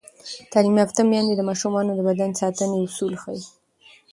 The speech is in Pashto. تعلیم یافته میندې د ماشومانو د بدن ساتنې اصول ښيي.